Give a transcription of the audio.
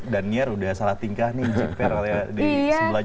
dan nier udah salah tingkah nih jeperal ya di sebelahnya